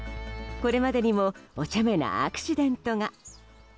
これまでにもおちゃめなアクシデントが。